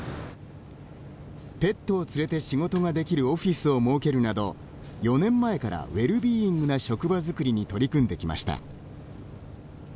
ペットを連れて仕事ができるオフィスを設けるなど４年前から、ウェルビーイングな職場作りに取り組んできました。